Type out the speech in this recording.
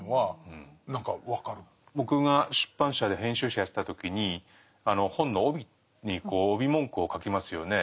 僕が出版社で編集者やってた時に本の帯に帯文句を書きますよね。